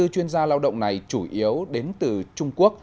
bảy mươi bốn chuyên gia lao động này chủ yếu đến từ trung quốc